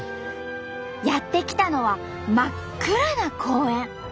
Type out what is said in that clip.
やって来たのは真っ暗な公園。